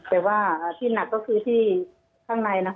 อันดับที่สุดท้าย